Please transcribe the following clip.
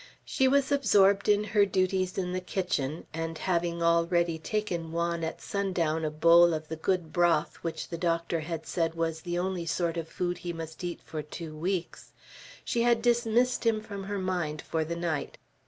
She was absorbed in her duties in the kitchen; and having already taken Juan at sundown a bowl of the good broth which the doctor had said was the only sort of food he must eat for two weeks, she had dismissed him from her mind for the night.